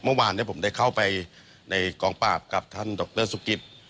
เมื่อวานเนี้ยผมได้เข้าไปในกองปากกับท่านดรซุกิฟต์